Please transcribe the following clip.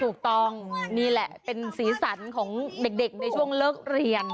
ถูกต้องนี่แหละเป็นสีสันของเด็กในช่วงเลิกเรียน